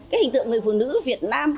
hình tượng người phụ nữ việt nam